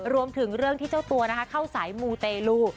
รวมถึงเรื่องที่เจ้าตัวเข้าสายมูเตลู